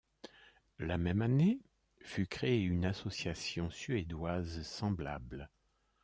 La même année fut créée une association suédoise semblable.